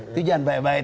itu jangan baik baik